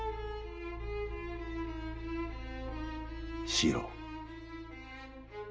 四郎。